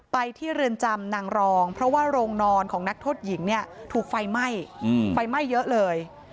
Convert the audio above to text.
ไปที่เรือนจำนางรองเพราะว่าโรงนอนของนักโทษหญิงเนี่ยถูกไฟไหม้ไฟไหม้เยอะเลย